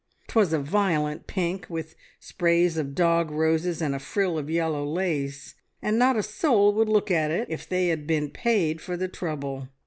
'Twas a violent pink, with sprays of dog roses and a frill of yellow lace, and not a soul would look at it if they had been paid for the trouble.